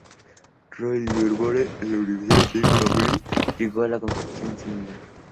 Roy Livermore, de la Universidad de Cambridge, llegó a una conclusión similar.